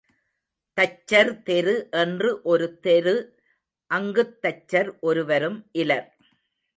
தச்சர் தெரு என்று ஒரு தெரு அங்குத் தச்சர் ஒருவரும் இலர்.